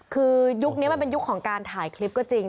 คือยุคนี้มันเป็นยุคของการถ่ายคลิปก็จริง